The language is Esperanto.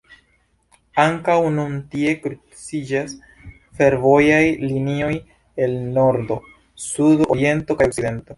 Ankaŭ nun tie kruciĝas fervojaj linioj el nordo, sudo, oriento kaj okcidento.